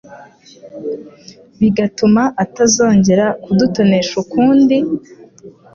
bigatuma atazongera kudutonesha ukundi?